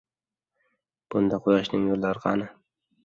Bunda quyoshimning nurlari qani?